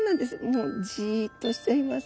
もうじっとしちゃいます。